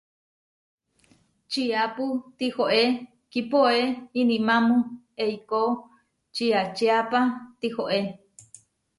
Čiápu tihoé kipoé inimámu eikó čiačiapa tihoé.